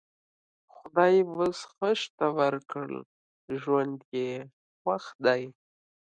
خدای اوس ښه شته ورکړ؛ ژوند یې خوښ دی.